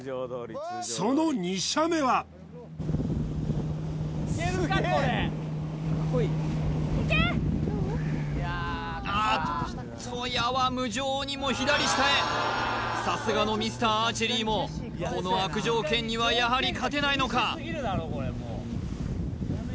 その２射目はあっと矢は無情にも左下へさすがのミスターアーチェリーもこの悪条件にはやはり勝てないのか？